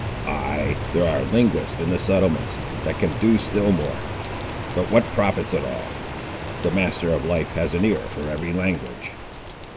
"Ay, there are linguists in the settlements that can do still more. But what profits it all? The Master of Life has an ear for every language!"